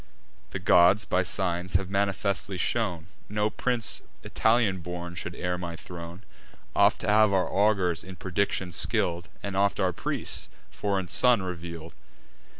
The gods, by signs, have manifestly shown, No prince Italian born should heir my throne: Oft have our augurs, in prediction skill'd, And oft our priests, a foreign son reveal'd.